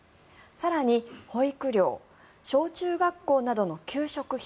更に、保育料小中学校などの給食費